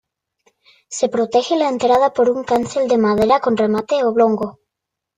Se protege la entrada por un cancel de madera con remate oblongo.